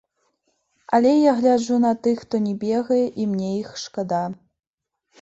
Але я гляджу на тых, хто не бегае, і мне іх шкада.